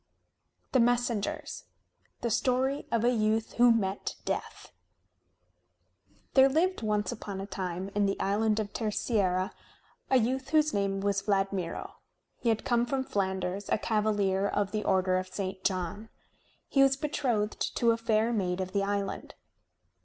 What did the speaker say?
THE MESSENGERS The Story of a Youth Who Met Death There lived once upon a time in the island of Terceira a youth whose name was Vladmiro. He had come from Flanders, a cavalier of the order of St. John. He was betrothed to a fair maid of the island.